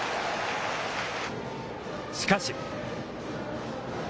しかし。